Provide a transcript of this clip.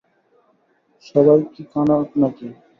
সবাই কি কানা নাকি।